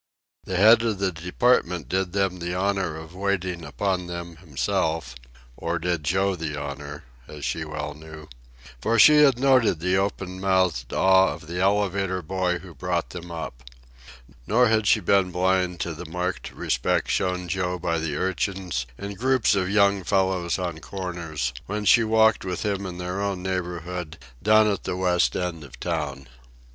The head of the department did them the honor of waiting upon them himself or did Joe the honor, as she well knew, for she had noted the open mouthed awe of the elevator boy who brought them up. Nor had she been blind to the marked respect shown Joe by the urchins and groups of young fellows on corners, when she walked with him in their own neighborhood down at the west end of the town.